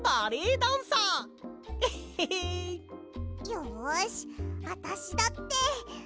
よしあたしだって。